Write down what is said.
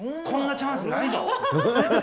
こんなチャンスないだろ。